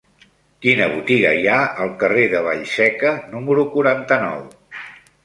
Quina botiga hi ha al carrer de Vallseca número quaranta-nou?